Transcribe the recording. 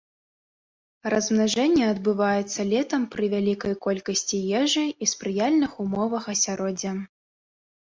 Размнажэнне адбываецца летам пры вялікай колькасці ежы і спрыяльных умовах асяроддзя.